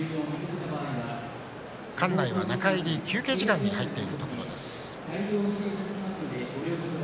館内は中入り、休憩時間に入っているところです。